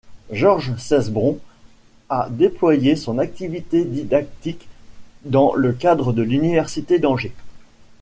Georges Cesbron a déployé son activité didactique dans le cadre de l'Université d'Angers.